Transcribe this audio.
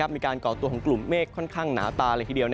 มีการก่อตัวของกลุ่มเมฆค่อนข้างหนาตา